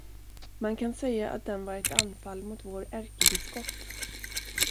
Man kan säga att den var ett anfall mot vår ärkebiskop.